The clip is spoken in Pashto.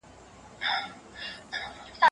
لوستې مور د ناروغۍ د خپرېدو مخه نیسي.